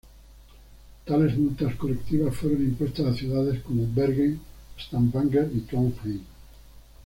Tales ""multas colectivas"" fueron impuestas a ciudades como Bergen, Stavanger y Trondheim.